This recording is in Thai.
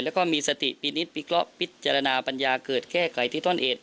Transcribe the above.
แล้วก็มีสติปิดนิดปิดเคราะห์ปิดจรรยาปัญญาเกิดแก้ไก่ที่ต้อนเอก